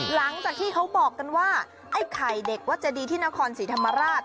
หลังจากที่เขาบอกกันว่าไอ้ไข่เด็กวัดเจดีที่นครศรีธรรมราช